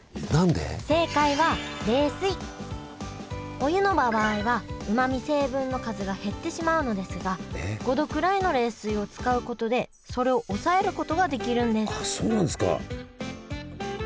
お湯の場合はうまみ成分の数が減ってしまうのですが５℃くらいの冷水を使うことでそれを抑えることができるんですそうなんですか。